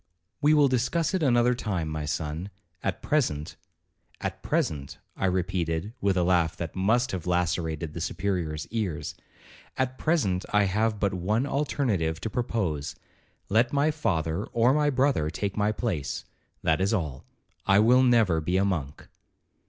'We will discuss it another time, my son; at present—' 'At present,' I repeated with a laugh that must have lacerated the Superior's ears—'At present I have but one alternative to propose—let my father or my brother take my place—that is all. I will never be a monk.'